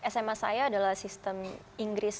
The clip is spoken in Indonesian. sma saya adalah sistem inggris